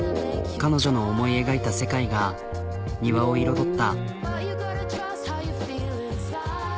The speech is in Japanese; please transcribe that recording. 彼女の思い描いた世界が庭を彩った。